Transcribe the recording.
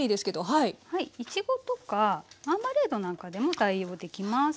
こちらはいちごとかマーマレードなんかでも代用できます。